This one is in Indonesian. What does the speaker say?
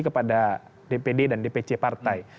kepada dpd dan dpc partai